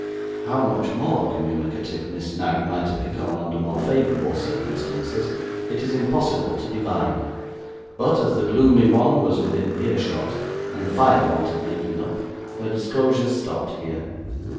How much more communicative Miss Knag might have become under more favourable circumstances, it is impossible to divine, but as the gloomy one was within ear shot, and the fire wanted making up, her disclosures stopped here.